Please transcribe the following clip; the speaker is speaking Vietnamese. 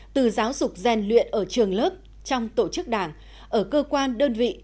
từ giáo dục rèn luyện ở trường lớp trong tổ chức đảng ở cơ quan đơn vị